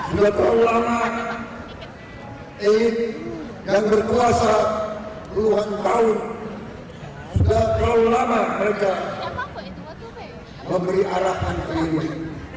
sudah terlalu lama elit yang berkuasa puluhan tahun sudah terlalu lama mereka memberi arahan ke publik